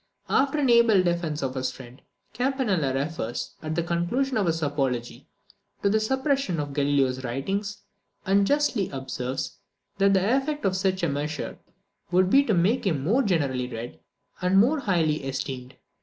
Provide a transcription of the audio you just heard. After an able defence of his friend, Campanella refers, at the conclusion of his apology, to the suppression of Galileo's writings, and justly observes, that the effect of such a measure would be to make them more generally read, and more highly esteemed.